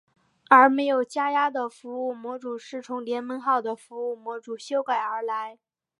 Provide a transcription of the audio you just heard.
而没有加压的服务模组是从联盟号的服务模组修改而来。